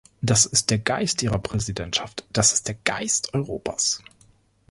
Das ist der Geist Ihrer Präsidentschaft, das ist der Geist Europas.